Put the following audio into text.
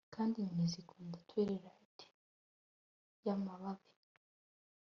Kandi Inyoni zikunda twilight yamababi